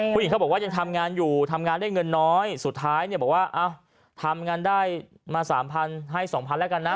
ผู้หญิงเขาบอกว่ายังทำงานอยู่ทำงานได้เงินน้อยสุดท้ายเนี่ยบอกว่าอ้าวทำงานได้มาสามพันให้สองพันแล้วกันนะ